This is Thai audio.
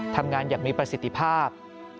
ทำงานอย่างมีประสิทธิภาพ